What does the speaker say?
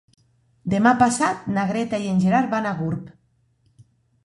Demà passat na Greta i en Gerard van a Gurb.